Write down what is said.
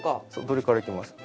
どれからいきますか？